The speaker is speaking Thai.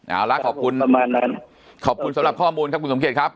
เอาละขอบคุณขอบคุณสำหรับข้อมูลครับคุณสมเขตครับ